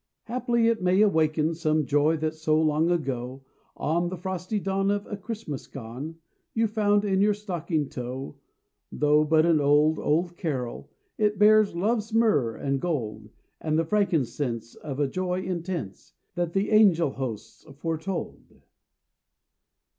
Haply it may awaken Some joy that so long ago, On the frosty dawn of a Christmas gone, You found in your stocking toe. Though but an old, old carol, It bears love's myrrh and gold, And the frankincense of a joy intense That the angel hosts foretold.